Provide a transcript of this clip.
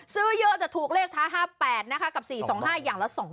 ซื้อเยอะแต่ถูกเลขท้าย๕๘นะคะกับ๔๒๕อย่างละ๒๐